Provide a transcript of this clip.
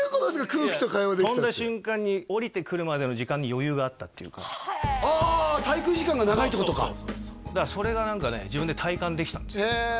空気と会話できたって跳んだ瞬間に降りてくるまでの時間に余裕があったっていうか・へえああ滞空時間が長いってことかそうそうそうそうだからそれが何かね自分で体感できたんですよへえ